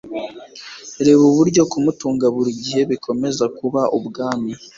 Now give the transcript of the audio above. Reba uburyo kumutunga buri gihe bikomeza kuba ubwami